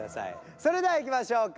それではいきましょうか。